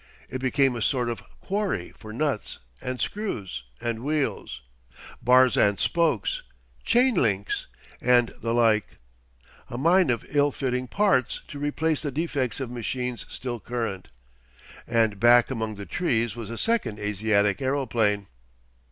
It became a sort of quarry for nuts and screws and wheels, bars and spokes, chain links and the like; a mine of ill fitting "parts" to replace the defects of machines still current. And back among the trees was a second Asiatic aeroplane....